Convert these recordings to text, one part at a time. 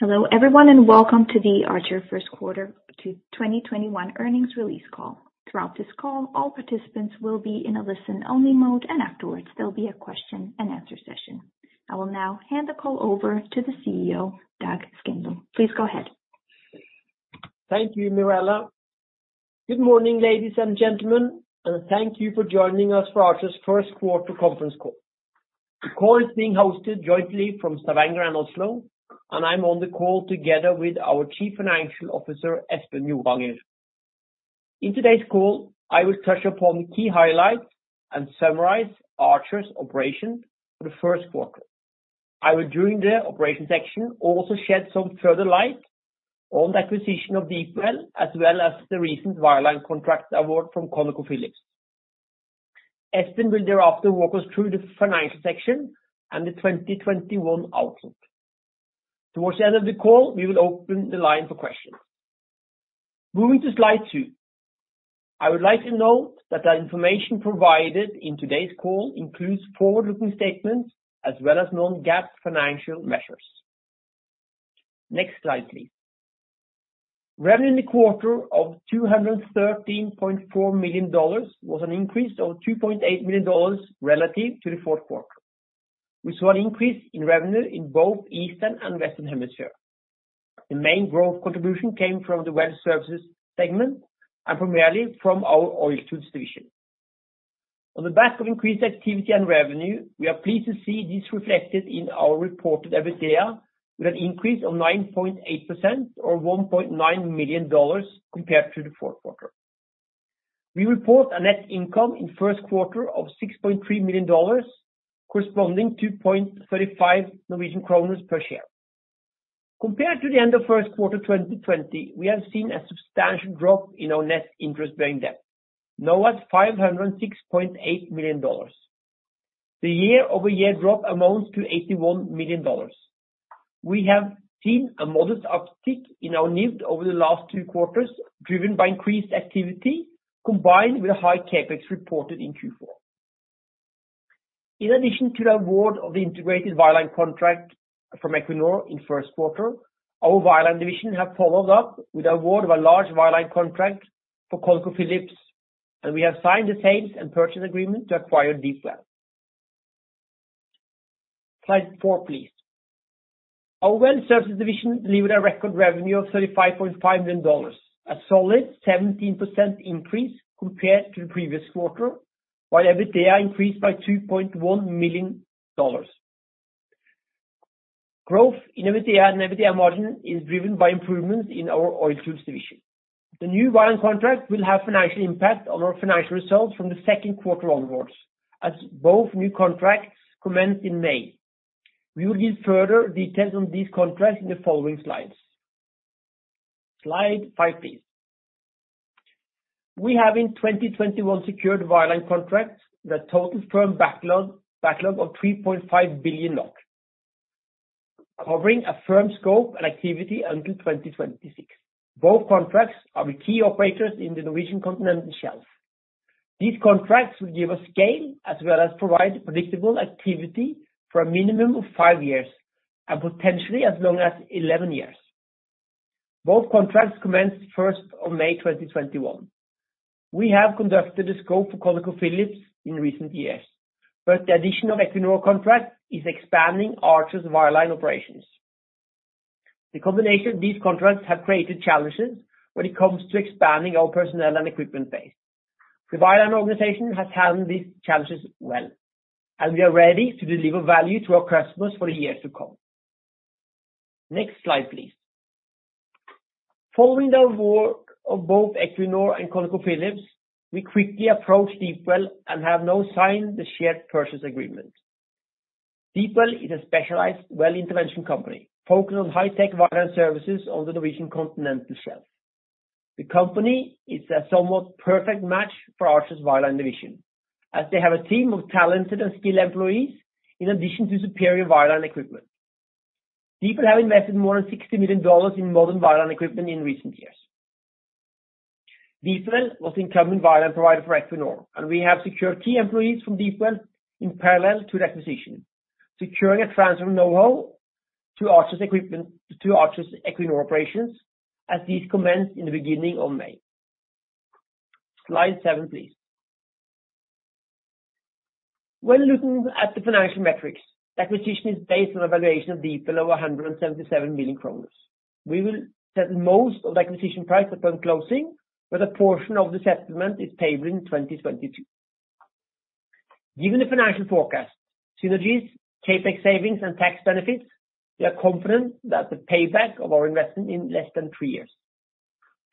Hello everyone, and welcome to the Archer first quarter 2021 earnings release call. Throughout this call, all participants will be in a listen-only mode, and afterwards, there'll be a question-and-answer session. I will now hand the call over to the CEO, Dag Skindlo. Please go ahead. Thank you, Mirela. Good morning, ladies and gentlemen, and thank you for joining us for Archer's first quarter conference call. The call is being hosted jointly from Stavanger and Oslo, and I'm on the call together with our Chief Financial Officer, Espen Joranger. In today's call, I will touch upon key highlights and summarize Archer's operation for the first quarter. I will, during the operation section, also shed some further light on the acquisition of DeepWell, as well as the recent wireline contract award from ConocoPhillips. Espen will thereafter walk us through the financial section and the 2021 outlook. Towards the end of the call, we will open the line for questions. Moving to slide two. I would like to note that the information provided in today's call includes forward-looking statements as well as non-GAAP financial measures. Next slide, please. Revenue in the quarter of $213.4 million was an increase of $2.8 million relative to the fourth quarter. We saw an increase in revenue in both Eastern and Western Hemisphere. The main growth contribution came from the Well Services segment and primarily from our Oiltools division. On the back of increased activity and revenue, we are pleased to see this reflected in our reported EBITDA, with an increase of 9.8% or $1.9 million compared to the fourth quarter. We report a net income in first quarter of $6.3 million, corresponding to 0.35 Norwegian kroner per share. Compared to the end of first quarter 2020, we have seen a substantial drop in our net interest-bearing debt, now at $506.8 million. The year-over-year drop amounts to $81 million. We have seen a modest uptick in our NIBD over the last two quarters, driven by increased activity, combined with a high CapEx reported in Q4. In addition to the award of the integrated wireline contract from Equinor in first quarter, our wireline division have followed up with award of a large wireline contract for ConocoPhillips, and we have signed the sales and purchase agreement to acquire DeepWell. Slide four, please. Our well services division delivered a record revenue of $35.5 million, a solid 17% increase compared to the previous quarter, while EBITDA increased by $2.1 million. Growth in EBITDA and EBITDA margin is driven by improvements in our Oiltools division. The new wireline contract will have financial impact on our financial results from the second quarter onwards, as both new contracts commence in May. We will give further details on these contracts in the following slides. Slide five, please. We have in 2021 secured wireline contracts with a total firm backlog of 3.5 billion, covering a firm scope and activity until 2026. Both contracts are with key operators in the Norwegian Continental Shelf. These contracts will give us scale as well as provide predictable activity for a minimum of five years and potentially as long as 11 years. Both contracts commence first of May, 2021. We have conducted a scope for ConocoPhillips in recent years, but the addition of Equinor contract is expanding Archer's wireline operations. The combination of these contracts have created challenges when it comes to expanding our personnel and equipment base. The wireline organization has handled these challenges well, and we are ready to deliver value to our customers for the years to come. Next slide, please. Following the award of both Equinor and ConocoPhillips, we quickly approached DeepWell and have now signed the share purchase agreement. DeepWell is a specialized well intervention company focused on high-tech wireline services on the Norwegian Continental Shelf. The company is a somewhat perfect match for Archer's wireline division, as they have a team of talented and skilled employees, in addition to superior wireline equipment. DeepWell have invested more than $60 million in modern wireline equipment in recent years. DeepWell was the incumbent wireline provider for Equinor, and we have secured key employees from DeepWell in parallel to the acquisition, securing a transfer of know-how to Archer's Equinor operations, as these commence in the beginning of May. Slide seven, please. When looking at the financial metrics, the acquisition is based on a valuation of DeepWell of 177 million kroner. We will set most of the acquisition price upon closing, but a portion of the settlement is payable in 2022. Given the financial forecast, synergies, CapEx savings, and tax benefits, we are confident that the payback of our investment in less than three years.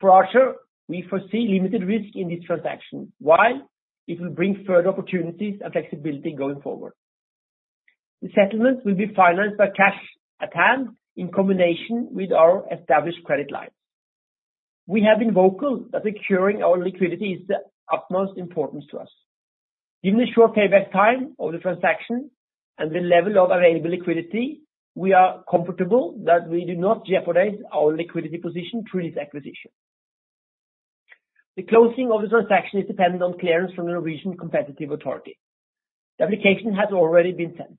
For Archer, we foresee limited risk in this transaction, while it will bring further opportunities and flexibility going forward. The settlement will be financed by cash at hand in combination with our established credit lines. We have been vocal that securing our liquidity is the utmost importance to us. Given the short payback time of the transaction and the level of available liquidity, we are comfortable that we do not jeopardize our liquidity position through this acquisition. The closing of the transaction is dependent on clearance from the Norwegian Competition Authority. The application has already been sent.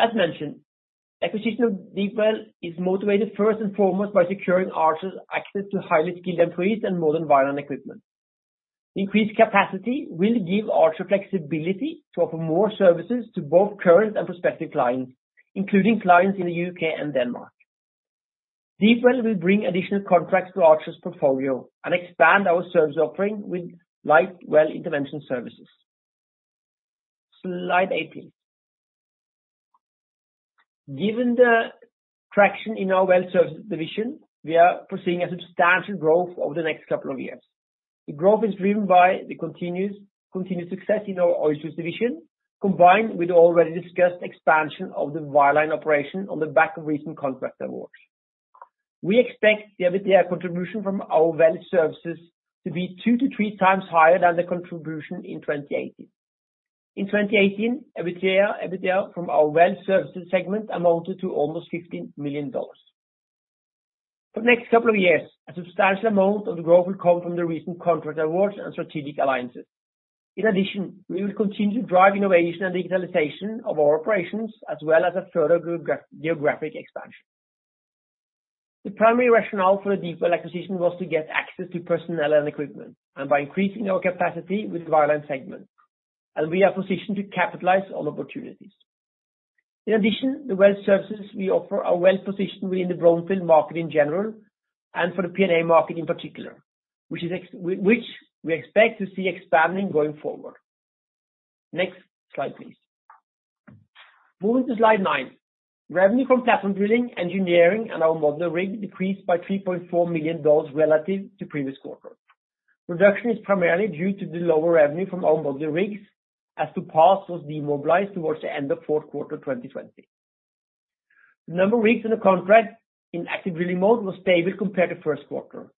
As mentioned, acquisition of DeepWell is motivated first and foremost by securing Archer's access to highly skilled employees and modern wireline equipment. Increased capacity will give Archer flexibility to offer more services to both current and prospective clients, including clients in the U.K. and Denmark. DeepWell will bring additional contracts to Archer's portfolio and expand our service offering with light well intervention services. Slide 8. Given the traction in our well service division, we are pursuing a substantial growth over the next couple of years. The growth is driven by the continuous, continued success in our Oiltools division, combined with already discussed expansion of the wireline operation on the back of recent contract awards. We expect the EBITDA contribution from our well services to be two to three times higher than the contribution in 2018. In 2018, EBITDA from our well services segment amounted to almost $15 million. For the next couple of years, a substantial amount of the growth will come from the recent contract awards and strategic alliances. In addition, we will continue to drive innovation and digitalization of our operations, as well as a further geographic expansion. The primary rationale for the DeepWell acquisition was to get access to personnel and equipment, and by increasing our capacity with wireline segment, and we are positioned to capitalize on opportunities. In addition, the well services we offer are well-positioned within the brownfield market in general and for the P&A market in particular, which we expect to see expanding going forward. Next slide, please. Moving to slide nine. Revenue from platform drilling, engineering, and our modular rig decreased by $3.4 million relative to previous quarter. Reduction is primarily due to the lower revenue from our modular rigs, as the Emerald was demobilized towards the end of fourth quarter 2020. The number of rigs in the contract in active drilling mode was stable compared to first quarter.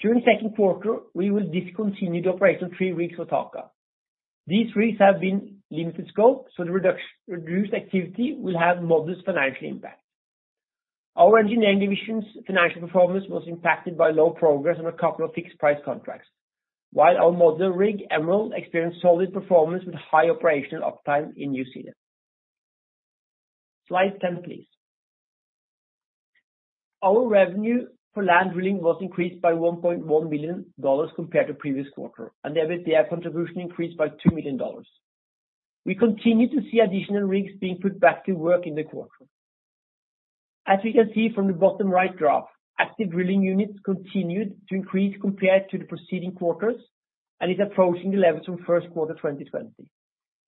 During the second quarter, we will discontinue the operation three rigs with TAQA. These rigs have been limited scope, so the reduced activity will have modest financial impact. Our engineering division's financial performance was impacted by low progress on a couple of fixed-price contracts, while our modular rig, Emerald, experienced solid performance with high operational uptime in New Zealand. Slide 10, please. Our revenue for land drilling was increased by $1.1 million compared to previous quarter, and the EBITDA contribution increased by $2 million. We continue to see additional rigs being put back to work in the quarter. As we can see from the bottom-right graph, active drilling units continued to increase compared to the preceding quarters, and is approaching the levels from first quarter 2020.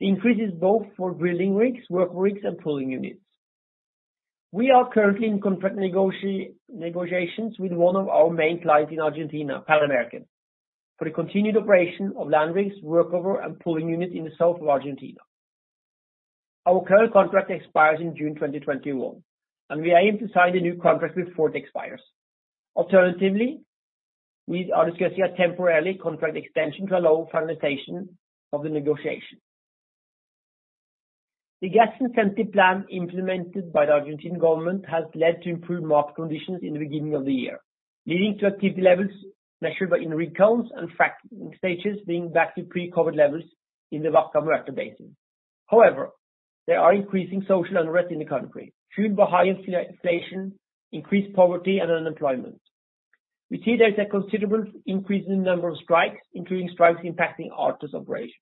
The increase is both for drilling rigs, work rigs, and pulling units. We are currently in contract negotiations with one of our main clients in Argentina, Pan American, for the continued operation of land rigs, workover, and pulling units in the south of Argentina. Our current contract expires in June 2021, and we aim to sign a new contract before it expires. Alternatively, we are discussing a temporary contract extension to allow fragmentation of the negotiation. The gas incentive plan implemented by the Argentine government has led to improved market conditions in the beginning of the year, leading to activity levels measured by rig counts and fracking stages being back to pre-COVID levels in the Vaca Muerta Basin. However, there are increasing social unrest in the country, fueled by high inflation, increased poverty and unemployment. We see there is a considerable increase in the number of strikes, including strikes impacting Archer's operation.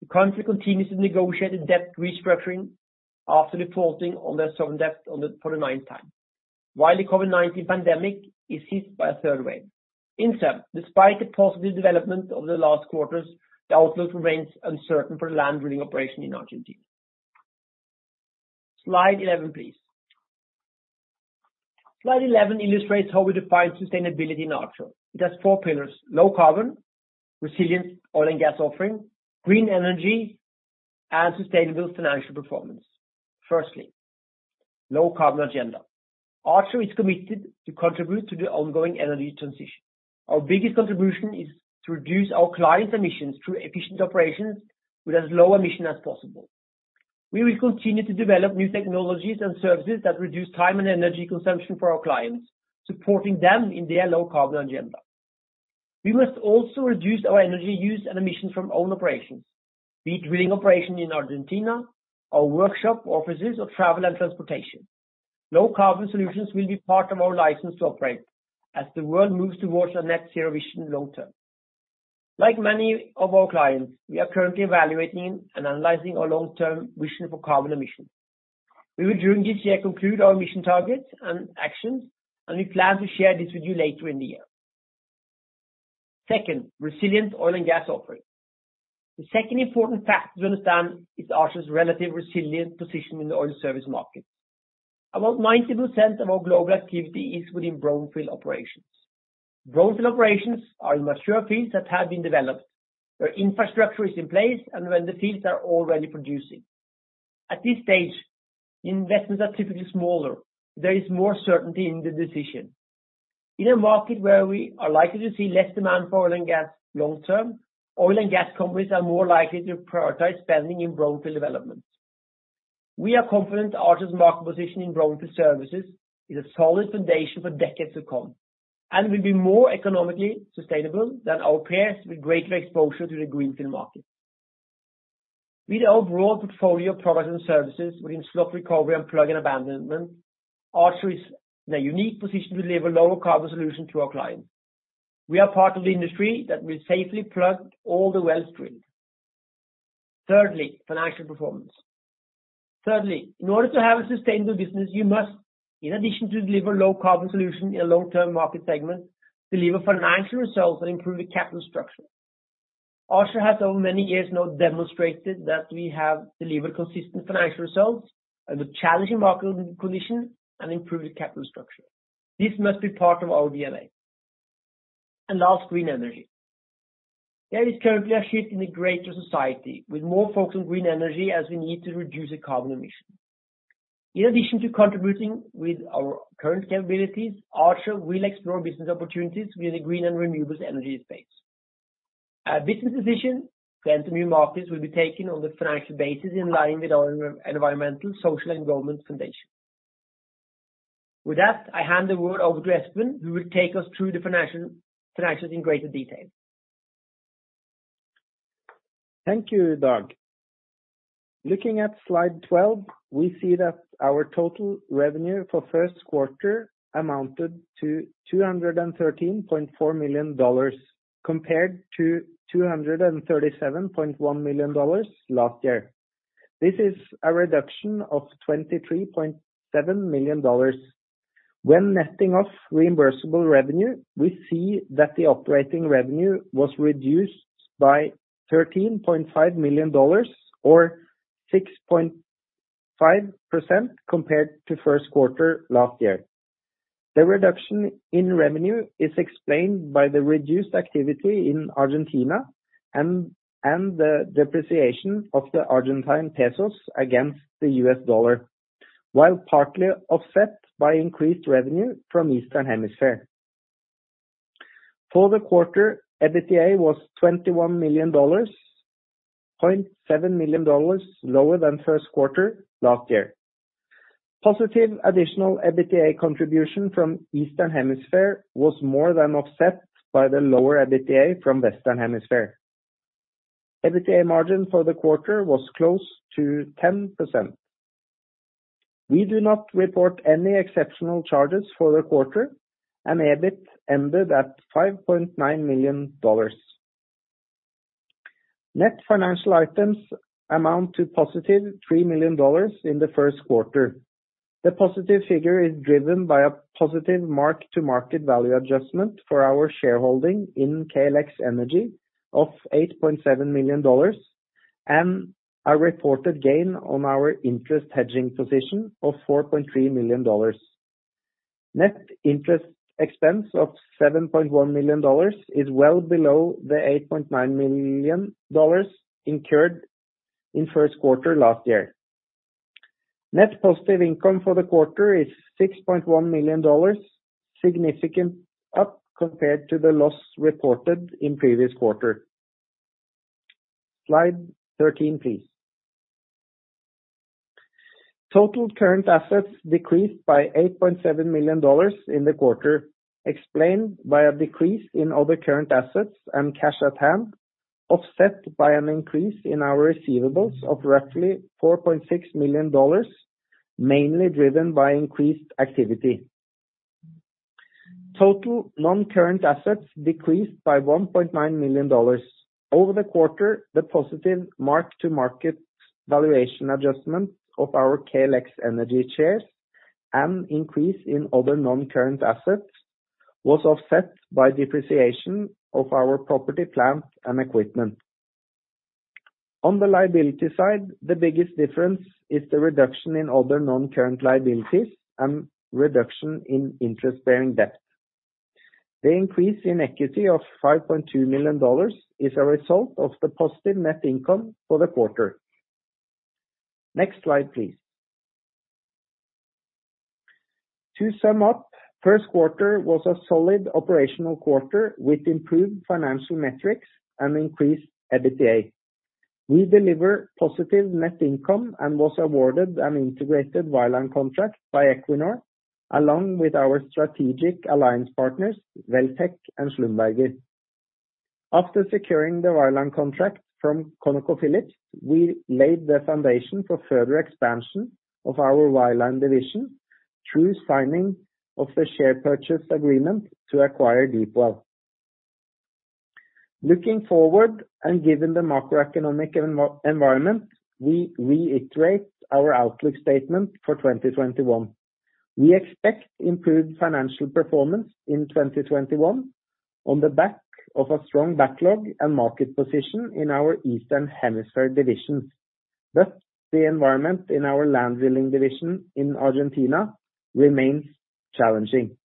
The country continues to negotiate a debt restructuring after defaulting on their sovereign debt for the ninth time, while the COVID-19 pandemic is hit by a third wave. In sum, despite the positive development over the last quarters, the outlook remains uncertain for the land drilling operation in Argentina. Slide 11, please. Slide 11 illustrates how we define sustainability in Archer. It has four pillars: low carbon, resilient oil and gas offering, green energy, and sustainable financial performance. Firstly, low carbon agenda. Archer is committed to contribute to the ongoing energy transition. Our biggest contribution is to reduce our clients' emissions through efficient operations with as low emission as possible. We will continue to develop new technologies and services that reduce time and energy consumption for our clients, supporting them in their low carbon agenda. We must also reduce our energy use and emissions from own operations, be it drilling operations in Argentina, our workshop, offices, or travel and transportation. Low-carbon solutions will be part of our license to operate as the world moves towards a net-zero emission long term. Like many of our clients, we are currently evaluating and analyzing our long-term vision for carbon emissions. We will, during this year, conclude our emission targets and actions, and we plan to share this with you later in the year. Second, resilient oil and gas offering. The second important fact to understand is Archer's relative resilient position in the oil service market. About 90% of our global activity is within brownfield operations. Brownfield operations are in mature fields that have been developed, where infrastructure is in place and when the fields are already producing. At this stage, investments are typically smaller. There is more certainty in the decision. In a market where we are likely to see less demand for oil and gas long term, oil and gas companies are more likely to prioritize spending in brownfield development. We are confident Archer's market position in brownfield services is a solid foundation for decades to come and will be more economically sustainable than our peers with greater exposure to the greenfield market. With our broad portfolio of products and services within slot recovery and plug and abandonment, Archer is in a unique position to deliver lower carbon solutions to our clients. We are part of the industry that will safely plug all the wells drilled. Thirdly, financial performance. Thirdly, in order to have a sustainable business, you must, in addition to deliver low carbon solution in a long-term market segment, deliver financial results and improve the capital structure. Archer has over many years now demonstrated that we have delivered consistent financial results and with challenging market condition and improved capital structure. This must be part of our DNA. Last, green energy. There is currently a shift in the greater society, with more focus on green energy as we need to reduce the carbon emission. In addition to contributing with our current capabilities, Archer will explore business opportunities within the green and renewables energy space. Our business decision to enter new markets will be taken on the financial basis in line with our environmental, social, and governance foundation. With that, I hand the word over to Espen, who will take us through the financials in greater detail. Thank you, Dag. Looking at slide 12, we see that our total revenue for first quarter amounted to $213.4 million, compared to $237.1 million last year. This is a reduction of $23.7 million. When netting off reimbursable revenue, we see that the operating revenue was reduced by $13.5 million, or 6.5% compared to first quarter last year. The reduction in revenue is explained by the reduced activity in Argentina and the depreciation of the Argentine pesos against the U.S. dollar, while partly offset by increased revenue from Eastern Hemisphere. For the quarter, EBITDA was $21 million, $0.7 million lower than first quarter last year. Positive additional EBITDA contribution from Eastern Hemisphere was more than offset by the lower EBITDA from Western Hemisphere. EBITDA margin for the quarter was close to 10%. We do not report any exceptional charges for the quarter, and EBIT ended at $5.9 million. Net financial items amount to +$3 million in the first quarter. The positive figure is driven by a positive mark-to-market value adjustment for our shareholding in KLX Energy of $8.7 million, and a reported gain on our interest hedging position of $4.3 million. Net interest expense of $7.1 million is well below the $8.9 million incurred in first quarter last year. Net positive income for the quarter is $6.1 million, significant up compared to the loss reported in previous quarter. Slide 13, please. Total current assets decreased by $8.7 million in the quarter, explained by a decrease in other current assets and cash at hand, offset by an increase in our receivables of roughly $4.6 million, mainly driven by increased activity. Total non-current assets decreased by $1.9 million. Over the quarter, the positive mark-to-market valuation adjustment of our KLX Energy shares and increase in other non-current assets was offset by depreciation of our property, plant, and equipment. On the liability side, the biggest difference is the reduction in other non-current liabilities and reduction in interest-bearing debt. The increase in equity of $5.2 million is a result of the positive net income for the quarter. Next slide, please. To sum up, first quarter was a solid operational quarter with improved financial metrics and increased EBITDA. We deliver positive net income and was awarded an integrated wireline contract by Equinor, along with our strategic alliance partners, Welltec and Schlumberger. After securing the wireline contract from ConocoPhillips, we laid the foundation for further expansion of our wireline division through signing of the share purchase agreement to acquire DeepWell. Looking forward, and given the macroeconomic environment, we reiterate our outlook statement for 2021. We expect improved financial performance in 2021 on the back of a strong backlog and market position in our Eastern Hemisphere divisions, but the environment in our land drilling division in Argentina remains challenging.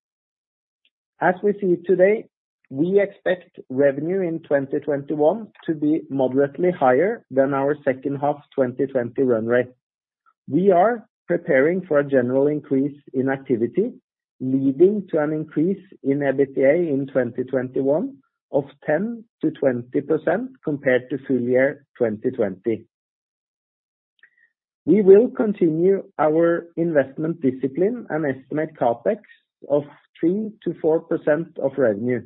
As we see it today, we expect revenue in 2021 to be moderately higher than our second half 2020 run rate. We are preparing for a general increase in activity, leading to an increase in EBITDA in 2021 of 10%-20% compared to full year 2020. We will continue our investment discipline and estimate CapEx of 3%-4% of revenue.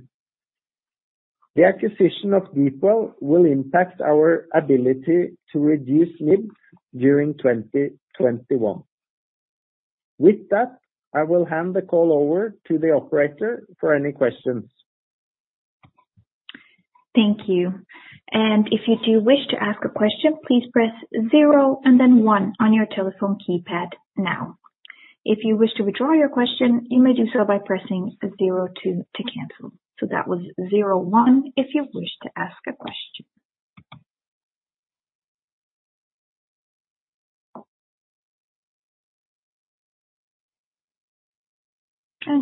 The acquisition of DeepWell will impact our ability to reduce NIBD during 2021. With that, I will hand the call over to the operator for any questions. Thank you. If you do wish to ask a question, please press zero and then one on your telephone keypad now. If you wish to withdraw your question, you may do so by pressing zero two to cancel. That was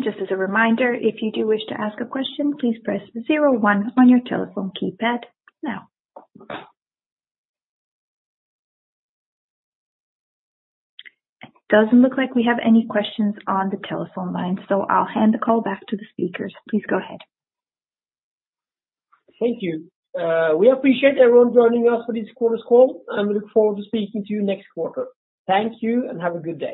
zero one if you wish to ask a question. Just as a reminder, if you do wish to ask a question, please press zero one on your telephone keypad now. It doesn't look like we have any questions on the telephone line, so I'll hand the call back to the speakers. Please go ahead. Thank you. We appreciate everyone joining us for this quarter's call, and we look forward to speaking to you next quarter. Thank you, and have a good day.